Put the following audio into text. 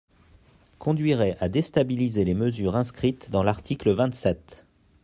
– conduiraient à déstabiliser les mesures inscrites dans l’article vingt-sept.